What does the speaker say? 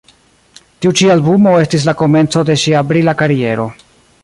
Tiu ĉi albumo estis la komenco de ŝia brila kariero.